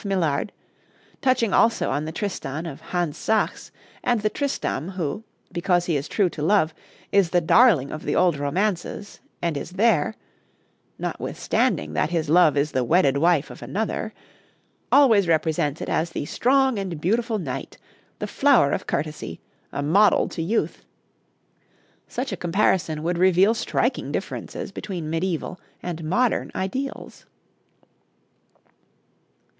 Millard, touching also on the Tristan of Hans Sachs, and the Tristram who, because he is true to love, is the darling of the old romances, and is there notwithstanding that his love is the wedded wife of another always represented as the strong and beautiful knight, the flower of courtesy, a model to youth, such a comparison would reveal striking differences between mediæval and modern ideals.